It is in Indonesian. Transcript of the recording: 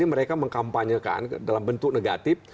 mereka mengkampanyekan dalam bentuk negatif